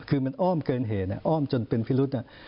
คือมันอ้อมเกินเหตุอ้อมจนเป็นพิรุษ